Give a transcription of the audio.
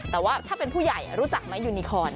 แต่ว่าถ้าเป็นผู้ใหญ่รู้จักไหมยูนิคอน